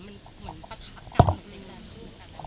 เหมือนประถักกันเหมือนนิ่งมานานสู้กัน